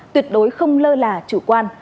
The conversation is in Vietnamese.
tuyệt đối không lơ là chủ quan